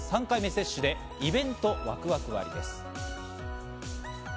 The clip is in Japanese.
３回目接種でイベントワクワク割です。